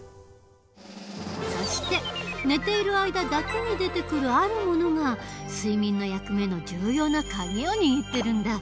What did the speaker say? そして寝ている間だけに出てくるあるものが睡眠の役目の重要な鍵を握ってるんだ。